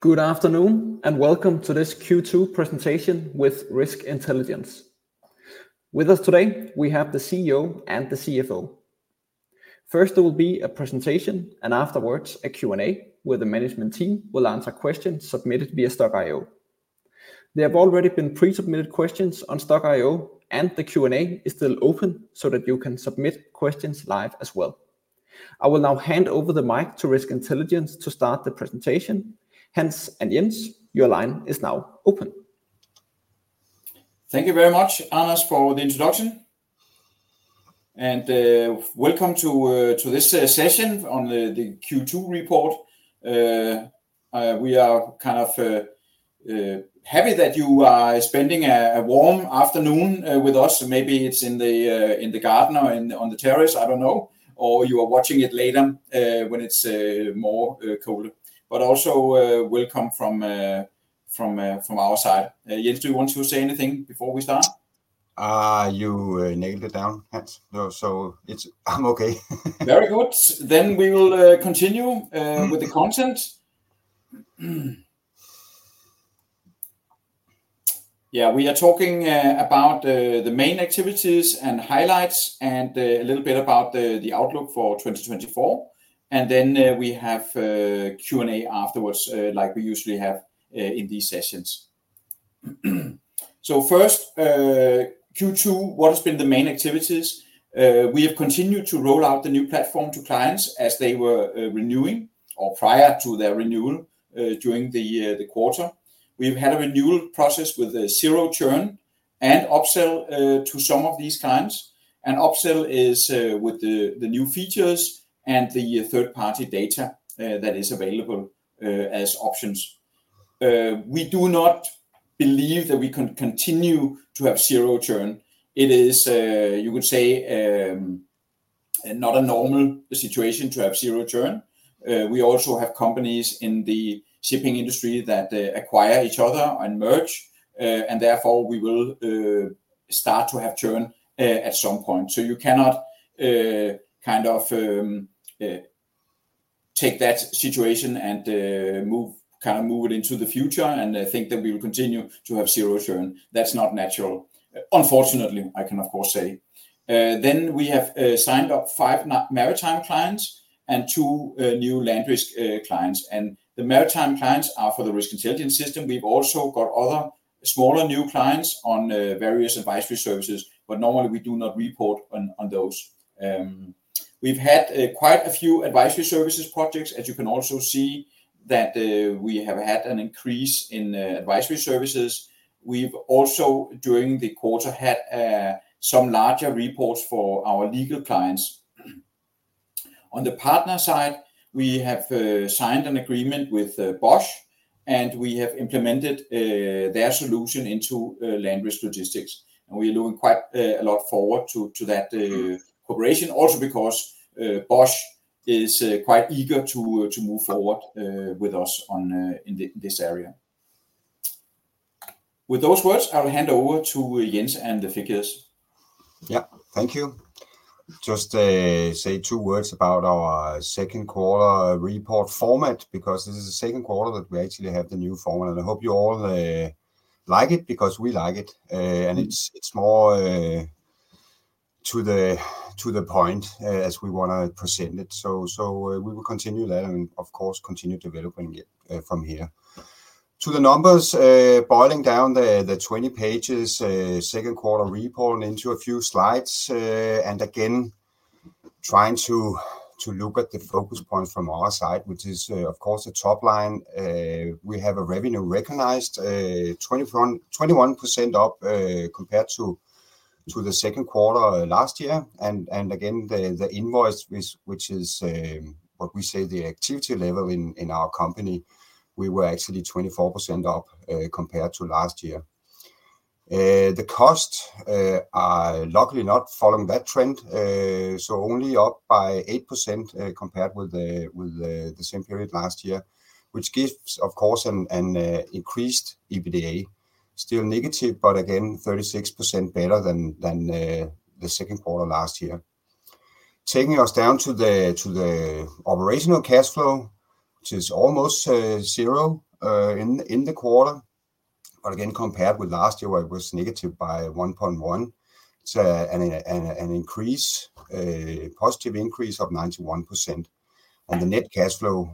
...Good afternoon, and welcome to this Q2 presentation with Risk Intelligence. With us today, we have the CEO and the CFO. First, there will be a presentation, and afterwards a Q&A, where the management team will answer questions submitted via Stokk.io. There have already been pre-submitted questions on Stokk.io, and the Q&A is still open so that you can submit questions live as well. I will now hand over the mic to Risk Intelligence to start the presentation. Hans and Jens, your line is now open. Thank you very much, Anders, for the introduction, and welcome to this session on the Q2 report. We are kind of happy that you are spending a warm afternoon with us. Maybe it's in the garden or on the terrace. I don't know. Or you are watching it later when it's more colder. But also, welcome from our side. Jens, do you want to say anything before we start? You nailed it down, Hans. So it's... I'm okay. Very good. Then we will continue with the content. Yeah, we are talking about the main activities and highlights and a little bit about the outlook for 2024. And then we have Q&A afterwards, like we usually have in these sessions. So first, Q2, what has been the main activities? We have continued to roll out the new platform to clients as they were renewing or prior to their renewal during the quarter. We've had a renewal process with a zero churn and upsell to some of these clients, and upsell is with the new features and the third-party data that is available as options. We do not believe that we can continue to have zero churn. It is, you could say, not a normal situation to have zero churn. We also have companies in the shipping industry that acquire each other and merge, and therefore, we will start to have churn at some point. So you cannot kind of take that situation and move, kind of move it into the future, and I think that we will continue to have zero churn. That's not natural. Unfortunately, I can of course say. Then we have signed up five new maritime clients and two new LandRisk clients, and the maritime clients are for the Risk Intelligence System. We've also got other smaller new clients on various advisory services, but normally we do not report on those. We've had quite a few advisory services projects, as you can also see, that we have had an increase in advisory services. We've also, during the quarter, had some larger reports for our legal clients. On the partner side, we have signed an agreement with Bosch, and we have implemented their solution into LandRisk Logistics, and we are looking quite a lot forward to that cooperation also because Bosch is quite eager to move forward with us on in this area. With those words, I will hand over to Jens and the figures. Yeah. Thank you. Just say two words about our second quarter report format, because this is the second quarter that we actually have the new format, and I hope you all like it, because we like it, and it's more to the point as we wanna present it. So we will continue that and of course continue developing it from here. To the numbers, boiling down the 20 pages second quarter report into a few slides, and again trying to look at the focus points from our side, which is of course the top line. We have a revenue recognized 21, 21% up compared to the second quarter last year. Again, the invoice, which is what we say, the activity level in our company, we were actually 24% up compared to last year. The costs are luckily not following that trend, so only up by 8% compared with the same period last year, which gives, of course, an increased EBITDA. Still negative, but again, 36% better than the second quarter last year. Taking us down to the operational cash flow, which is almost zero in the quarter, but again, compared with last year, where it was negative by 1.1 million, it's an increase, a positive increase of 91%. The net cash flow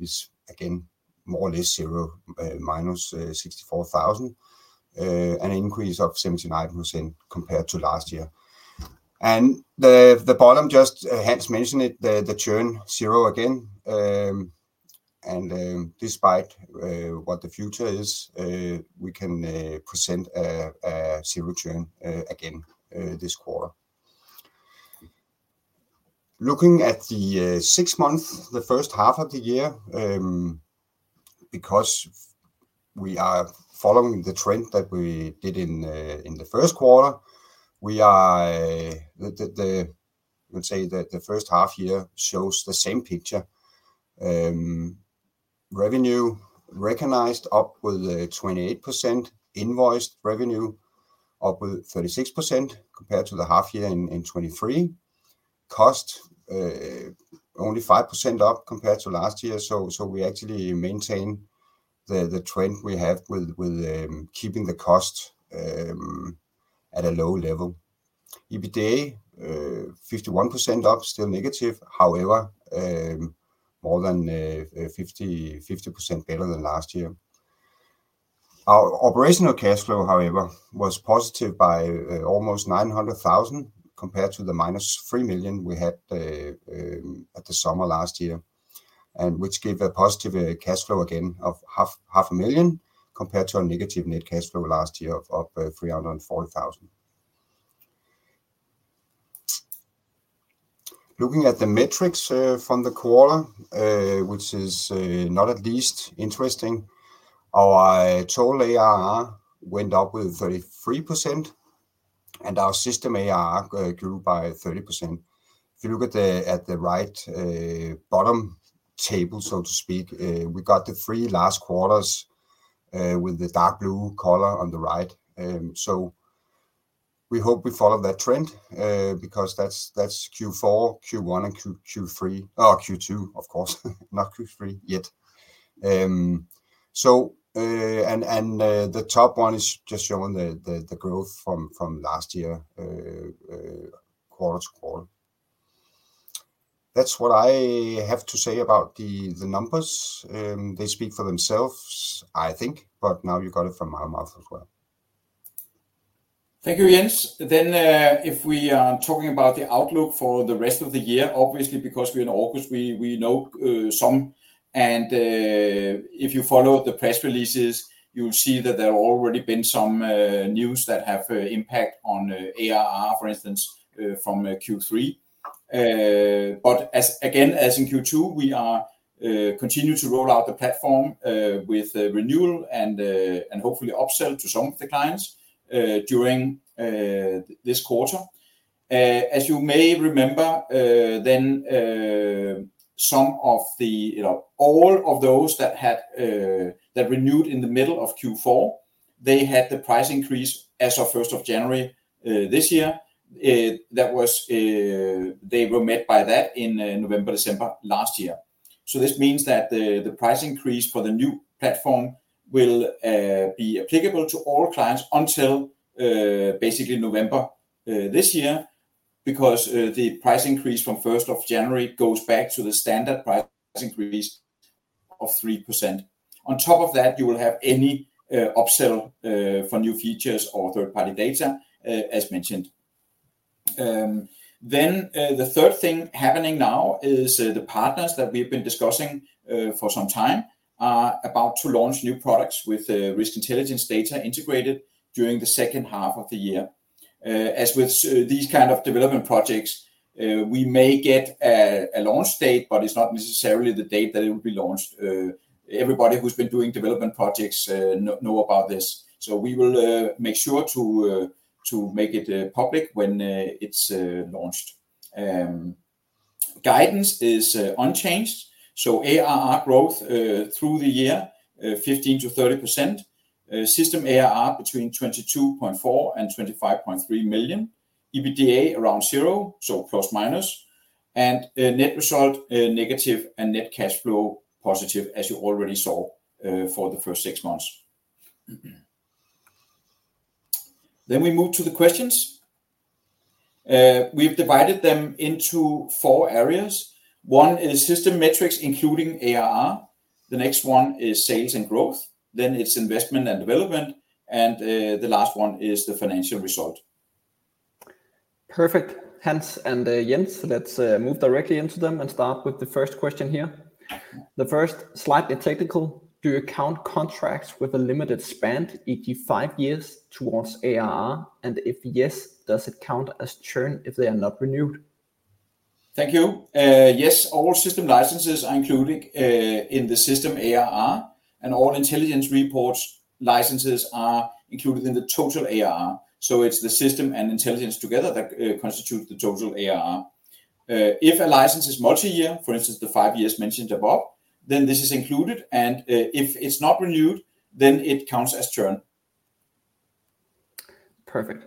is again more or less zero, minus 64,000, an increase of 79% compared to last year. And the bottom, just, Hans mentioned it, the churn, zero again. And despite what the future is, we can present a zero churn again this quarter. Looking at the six months, the first half of the year, because we are following the trend that we did in the first quarter, we are... I would say that the first half year shows the same picture. Revenue recognized up with 28%, invoiced revenue up with 36% compared to the half year in 2023. Costs only 5% up compared to last year, so we actually maintain the trend we have with keeping the costs at a low level. EBITDA 51% up, still negative, however, more than 50% better than last year. Our operational cash flow, however, was positive by almost 900,000, compared to the -3 million we had at the summer last year, and which gave a positive cash flow again of 500,000, compared to a negative net cash flow last year of 340,000. Looking at the metrics from the quarter, which is not at least interesting, our Total ARR went up with 33% and our System ARR grew by 30%. If you look at the right bottom table, so to speak, we got the three last quarters with the dark blue color on the right. So we hope we follow that trend because that's Q4, Q1, and Q2, of course, not Q3 yet. And the top one is just showing the growth from last year quarter to quarter. That's what I have to say about the numbers. They speak for themselves, I think, but now you got it from my mouth as well. Thank you, Jens. Then, if we are talking about the outlook for the rest of the year, obviously, because we're in August, we know some, and if you follow the press releases, you'll see that there have already been some news that have impact on ARR, for instance, from Q3. But as again, as in Q2, we are continuing to roll out the platform with renewal and hopefully upsell to some of the clients during this quarter. As you may remember, then, some of the... You know, all of those that had that renewed in the middle of Q4, they had the price increase as of first of January this year. That was, they were met by that in November, December last year. So this means that the price increase for the new platform will be applicable to all clients until basically November this year, because the price increase from first of January goes back to the standard price increase of 3%. On top of that, you will have any upsell for new features or third-party data as mentioned. Then the third thing happening now is the partners that we've been discussing for some time are about to launch new products with Risk Intelligence data integrated during the second half of the year. As with these kind of development projects, we may get a launch date, but it's not necessarily the date that it will be launched. Everybody who's been doing development projects know about this, so we will make sure to make it public when it's launched. Guidance is unchanged, so ARR growth through the year 15%-30%. System ARR between 22.4 million-25.3 million. EBITDA around zero, ±, and net result negative and net cash flow positive, as you already saw for the first six months. Then we move to the questions. We've divided them into four areas. One is system metrics, including ARR. The next one is sales and growth, then it's investment and development, and the last one is the financial result. Perfect. Hans and, Jens, let's move directly into them and start with the first question here. The first, slightly technical: Do you count contracts with a limited span, e.g. five years, towards ARR? And if yes, does it count as churn if they are not renewed? Thank you. Yes, all system licenses are included in the System ARR and all intelligence reports licenses are included in the Total ARR. So it's the system and intelligence together that constitute the Total ARR. If a license is multi-year, for instance, the five years mentioned above, then this is included, and if it's not renewed, then it counts as churn. Perfect.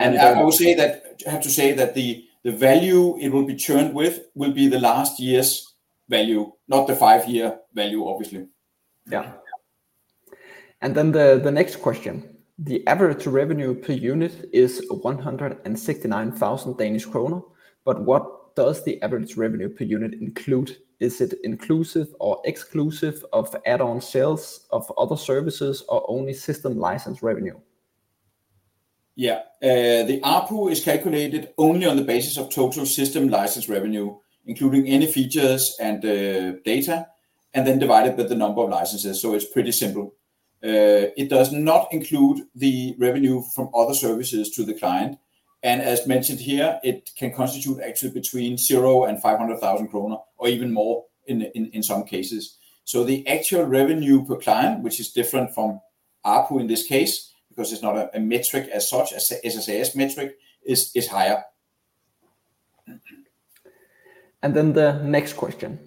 I will say that, I have to say that the value it will be churned with will be the last year's value, not the five-year value, obviously. Yeah. And then the next question: The average revenue per unit is 169,000 Danish kroner. But what does the average revenue per unit include? Is it inclusive or exclusive of add-on sales of other services, or only system license revenue? Yeah. The ARPU is calculated only on the basis of total system license revenue, including any features and, data, and then divided by the number of licenses, so it's pretty simple. It does not include the revenue from other services to the client, and as mentioned here, it can constitute actually between zero and 500,000 kroner or even more in some cases. So the actual revenue per client, which is different from ARPU in this case, because it's not a metric as such, as a SaaS metric is, is higher. ...And then the next question: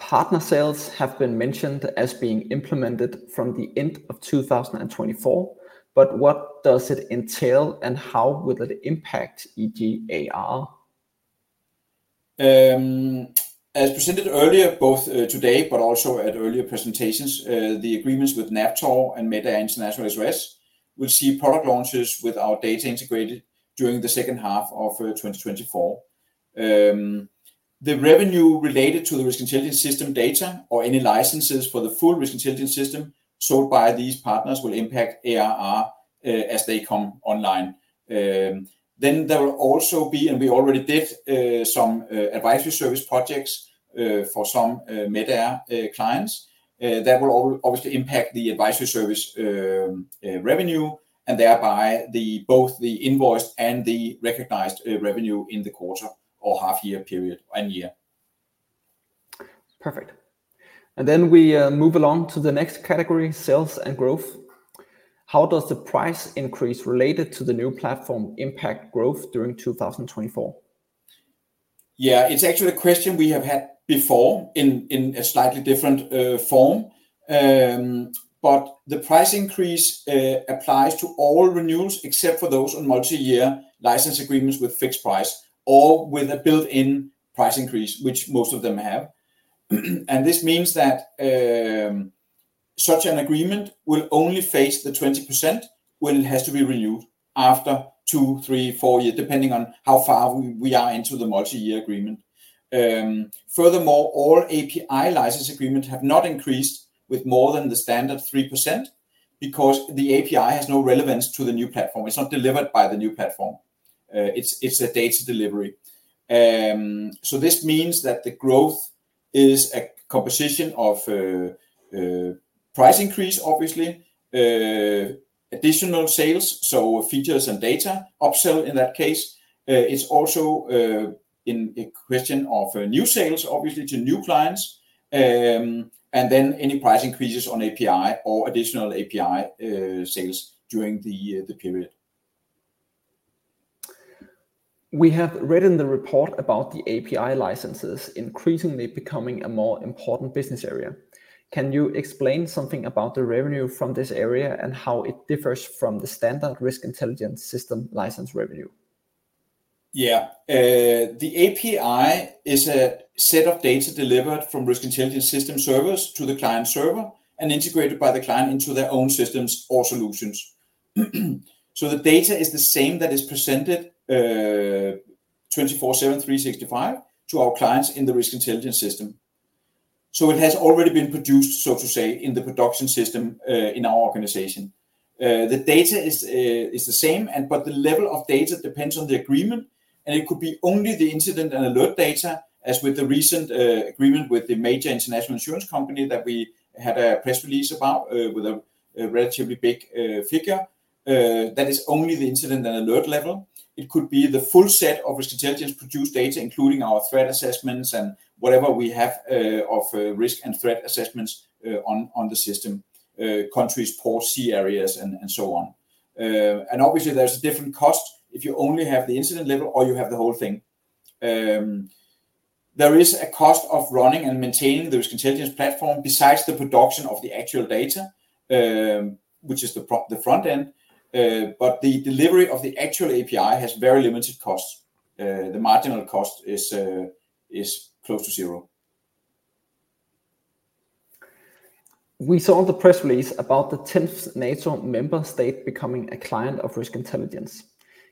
Partner sales have been mentioned as being implemented from the end of 2024, but what does it entail, and how will it impact e.g., ARR? As presented earlier, both today but also at earlier presentations, the agreements with NAVTOR and MedAire will see product launches with our data integrated during the second half of 2024. The revenue related to the Risk Intelligence System data or any licenses for the full Risk Intelligence System sold by these partners will impact ARR as they come online. Then there will also be, and we already did, some advisory service projects for some MedAire clients that will obviously impact the advisory service revenue, and thereby both the invoiced and the recognized revenue in the quarter or half year period and year. Perfect. And then we move along to the next category, sales and growth. How does the price increase related to the new platform impact growth during 2024? Yeah, it's actually a question we have had before in a slightly different form. But the price increase applies to all renewals, except for those on multi-year license agreements with fixed price or with a built-in price increase, which most of them have. And this means that such an agreement will only face the 20% when it has to be renewed after 2, 3, 4 years, depending on how far we are into the multi-year agreement. Furthermore, all API license agreements have not increased with more than the standard 3% because the API has no relevance to the new platform. It's not delivered by the new platform. It's a data delivery. So this means that the growth is a composition of price increase, obviously, additional sales, so features and data, upsell in that case. It's also in a question of new sales, obviously to new clients, and then any price increases on API or additional API sales during the year, the period. We have read in the report about the API licenses increasingly becoming a more important business area. Can you explain something about the revenue from this area and how it differs from the standard Risk Intelligence System license revenue? Yeah. The API is a set of data delivered from Risk Intelligence System servers to the client server and integrated by the client into their own systems or solutions. So the data is the same that is presented 24/7, 365 to our clients in the Risk Intelligence System. So it has already been produced, so to say, in the production system in our organization. The data is the same and, but the level of data depends on the agreement, and it could be only the incident and alert data, as with the recent agreement with the major international insurance company that we had a press release about, with a relatively big figure. That is only the incident and alert level. It could be the full set of Risk Intelligence-produced data, including our threat assessments and whatever we have of risk and threat assessments on the system, countries, port, sea areas, and so on. And obviously, there's different costs if you only have the incident level or you have the whole thing. There is a cost of running and maintaining the Risk Intelligence platform besides the production of the actual data, which is the front end, but the delivery of the actual API has very limited costs. The marginal cost is close to zero. We saw the press release about the tenth NATO member state becoming a client of Risk Intelligence.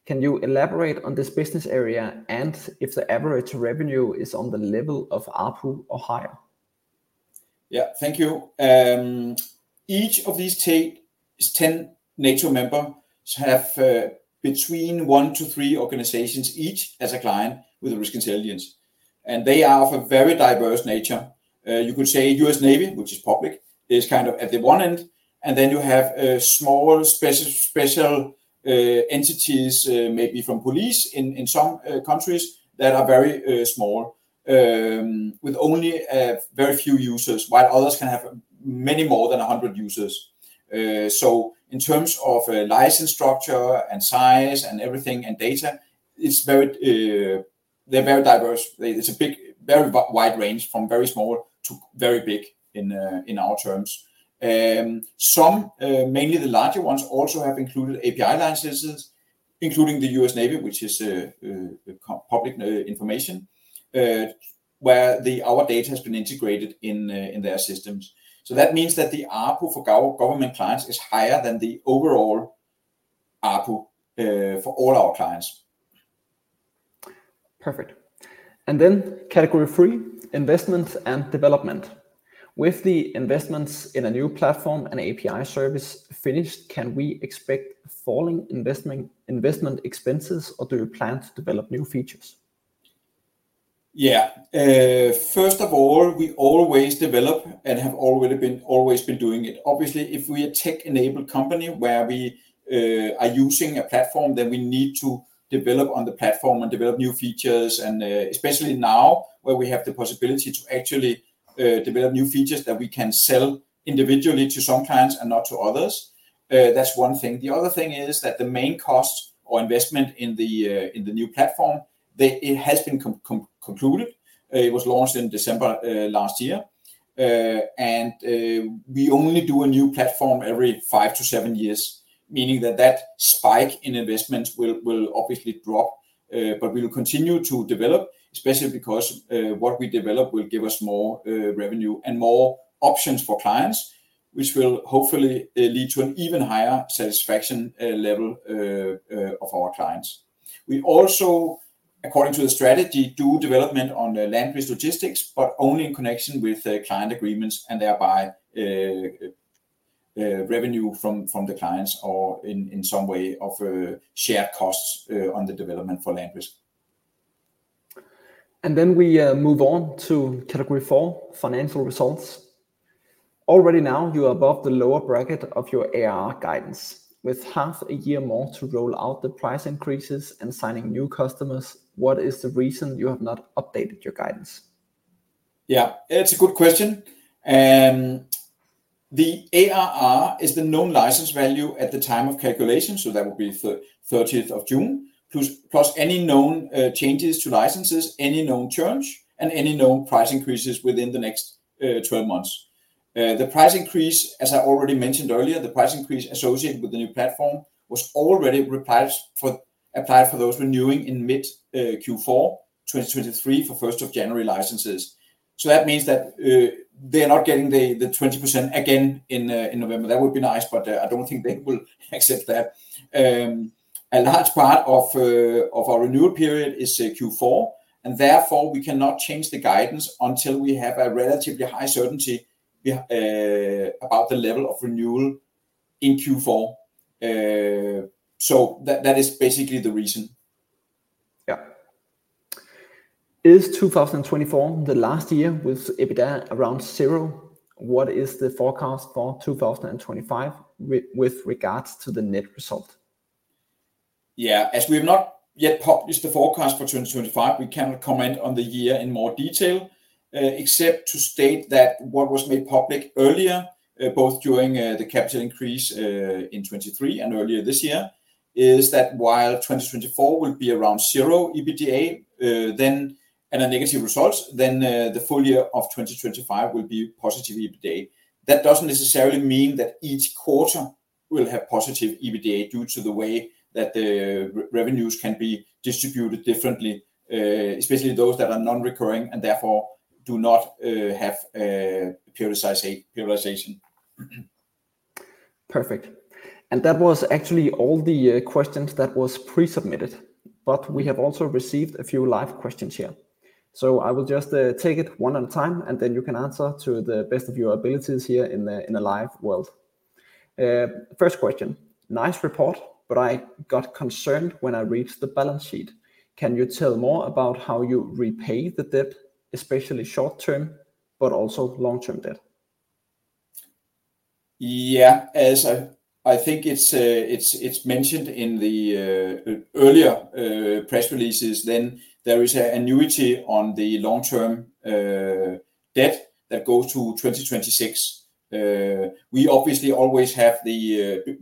Can you elaborate on this business area and if the average revenue is on the level of ARPU or higher? Yeah. Thank you. Each of these ten NATO members have between 1-3 organizations each as a client with Risk Intelligence, and they are of a very diverse nature. You could say US Navy, which is public, is kind of at the one end, and then you have smaller, special entities, maybe from police in some countries that are very small with only very few users, while others can have many more than 100 users. So in terms of license structure and size and everything and data, it's very they're very diverse. It's a big very wide range from very small to very big in our terms. Some, mainly the larger ones, also have included API licenses, including the US Navy, which is public information where our data has been integrated in in their systems. So that means that the ARPU for government clients is higher than the overall ARPU for all our clients. Perfect. And then category three, investment and development. With the investments in a new platform and API service finished, can we expect falling investment, investment expenses, or do you plan to develop new features? Yeah. First of all, we always develop and have already been, always been doing it. Obviously, if we're a tech-enabled company where we are using a platform, then we need to develop on the platform and develop new features, and especially now, where we have the possibility to actually develop new features that we can sell individually to some clients and not to others. That's one thing. The other thing is that the main cost or investment in the new platform, it has been concluded. It was launched in December last year. And we only do a new platform every 5-7 years, meaning that that spike in investment will obviously drop, but we will continue to develop, especially because what we develop will give us more revenue and more options for clients, which will hopefully lead to an even higher satisfaction level of our clients. We also, according to the strategy, do development on the LandRisk Logistics, but only in connection with the client agreements and thereby revenue from the clients or in some way of shared costs on the development for LandRisk. And then we move on to category four, financial results. Already now you are above the lower bracket of your ARR guidance. With half a year more to roll out the price increases and signing new customers, what is the reason you have not updated your guidance? Yeah, it's a good question. The ARR is the known license value at the time of calculation, so that would be thirtieth of June, plus any known changes to licenses, any known churn, and any known price increases within the next 12 months. The price increase, as I already mentioned earlier, the price increase associated with the new platform was already applied for those renewing in mid Q4, 2023, for first of January licenses. So that means that they are not getting the 20% again in November. That would be nice, but I don't think they will accept that. A large part of our renewal period is Q4, and therefore we cannot change the guidance until we have a relatively high certainty about the level of renewal in Q4. So that, that is basically the reason. Yeah. Is 2024 the last year with EBITDA around zero? What is the forecast for 2025 with regards to the net result? Yeah. As we have not yet published the forecast for 2025, we cannot comment on the year in more detail, except to state that what was made public earlier, both during the capital increase in 2023 and earlier this year, is that while 2024 will be around zero EBITDA, then and a negative result, then, the full year of 2025 will be positive EBITDA. That doesn't necessarily mean that each quarter will have positive EBITDA due to the way that the revenues can be distributed differently, especially those that are non-recurring and therefore do not have periodization. Perfect. And that was actually all the, questions that was pre-submitted, but we have also received a few live questions here. So I will just take it one at a time, and then you can answer to the best of your abilities here in the, in the live world. First question: Nice report, but I got concerned when I read the balance sheet. Can you tell more about how you repay the debt, especially short-term, but also long-term debt? Yeah. As I think it's mentioned in the earlier press releases, then there is an annuity on the long-term debt that goes to 2026. We obviously always have the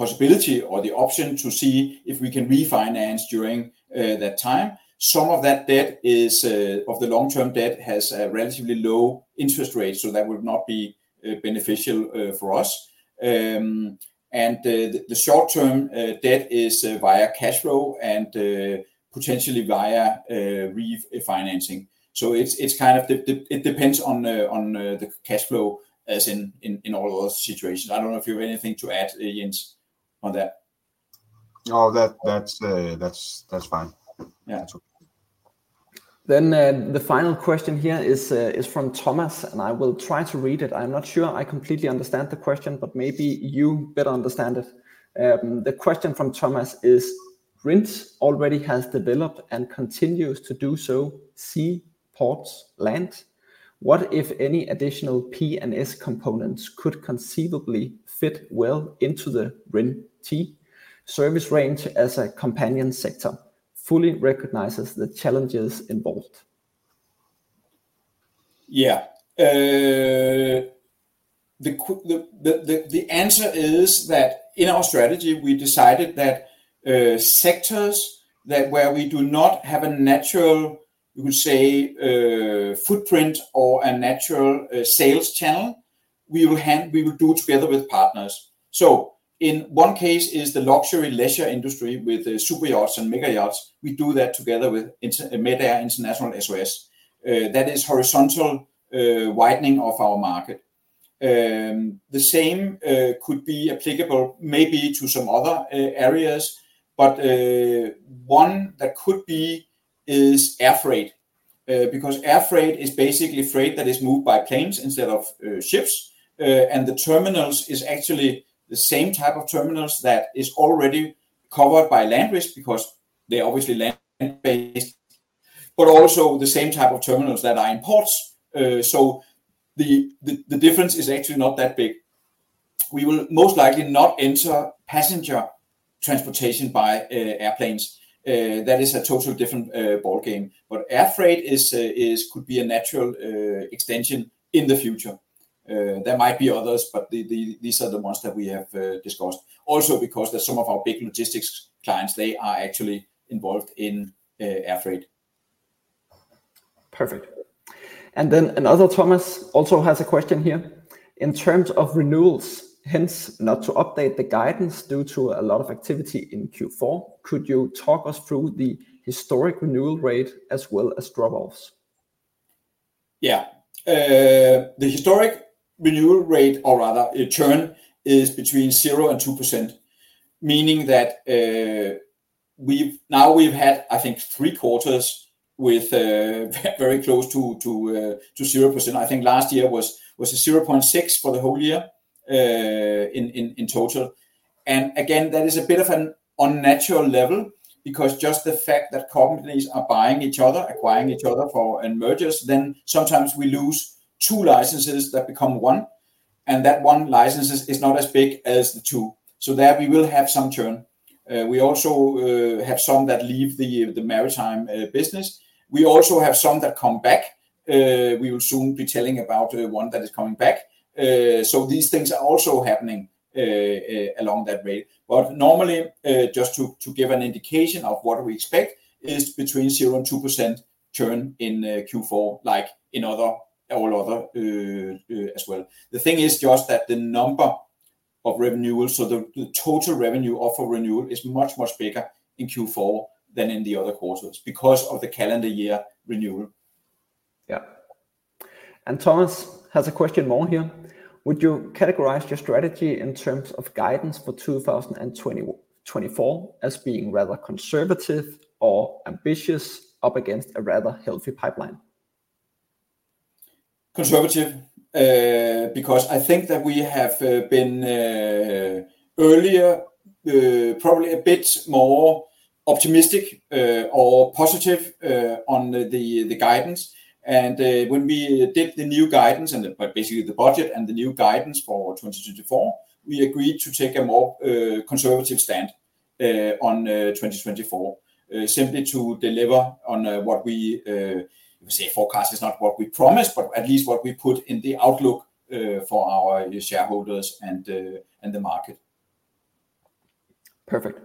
possibility or the option to see if we can refinance during that time. Some of that debt is of the long-term debt has a relatively low interest rate, so that would not be beneficial for us. And the short-term debt is via cash flow and potentially via refinancing. So it's kind of it depends on the cash flow, as in all other situations. I don't know if you have anything to add, Jens, on that. No, that's fine. Yeah. That's all. Then, the final question here is from Thomas, and I will try to read it. I'm not sure I completely understand the question, but maybe you better understand it. The question from Thomas is: Risk Intelligence already has developed and continues to do so, sea, ports, land. What, if any, additional P&S components could conceivably fit well into the Risk Intelligence service range as a companion sector? Fully recognizes the challenges involved. Yeah. The answer is that in our strategy, we decided that sectors that where we do not have a natural, we would say, footprint or a natural sales channel, we will do together with partners. So in one case is the luxury leisure industry with super yachts and mega yachts. We do that together with MedAire International SOS. That is horizontal widening of our market. The same could be applicable maybe to some other areas, but one that could be is air freight. Because air freight is basically freight that is moved by planes instead of ships. And the terminals is actually the same type of terminals that is already covered by LandRisk because they're obviously land-based, but also the same type of terminals that are in ports. So the difference is actually not that big. We will most likely not enter passenger transportation by airplanes, that is a total different ballgame. But air freight could be a natural extension in the future. There might be others, but these are the ones that we have discussed. Also, because there's some of our big logistics clients, they are actually involved in air freight. Perfect. And then another Thomas also has a question here: In terms of renewals, hence not to update the guidance due to a lot of activity in Q4, could you talk us through the historic renewal rate as well as drop-offs? Yeah. The historic renewal rate, or rather, churn, is between 0% and 2%, meaning that we've now had, I think, three quarters with very close to 0%. I think last year was a 0.6% for the whole year, in total. And again, that is a bit of an unnatural level because just the fact that companies are buying each other, acquiring each other for, and mergers, then sometimes we lose 2 licenses that become 1, and that 1 license is not as big as the 2. So there we will have some churn. We also have some that leave the maritime business. We also have some that come back. We will soon be telling about one that is coming back. So these things are also happening along that way. But normally, just to give an indication of what we expect is between 0% and 2% churn in Q4, like in other, all other, as well. The thing is just that the number of renewals, so the total revenue up for renewal is much, much bigger in Q4 than in the other quarters because of the calendar year renewal. Yeah. And Thomas has a question more here: Would you categorize your strategy in terms of guidance for 2020-2024 as being rather conservative or ambitious, up against a rather healthy pipeline? Conservative, because I think that we have been earlier probably a bit more optimistic or positive on the guidance. And when we did the new guidance, but basically the budget and the new guidance for 2024, we agreed to take a more conservative stand on 2024 simply to deliver on what we... we say forecast is not what we promise, but at least what we put in the outlook for our shareholders and the market. Perfect.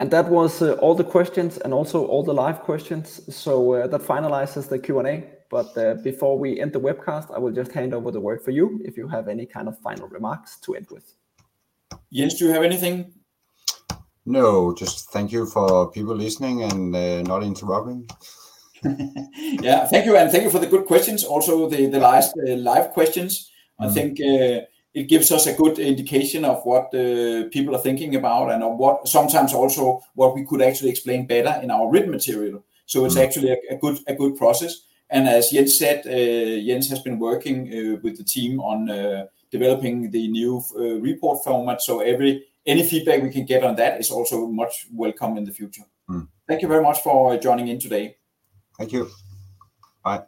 And that was all the questions and also all the live questions. So, that finalizes the Q&A. But, before we end the webcast, I will just hand over the word for you if you have any kind of final remarks to end with. Jens, do you have anything? No, just thank you for people listening and not interrupting. Yeah, thank you. Thank you for the good questions, also, the last live questions. Mm-hmm. I think, it gives us a good indication of what people are thinking about and sometimes also what we could actually explain better in our written material. Mm-hmm. So it's actually a good process. And as Jens said, Jens has been working with the team on developing the new report format. So any feedback we can get on that is also much welcome in the future. Mm. Thank you very much for joining in today. Thank you. Bye.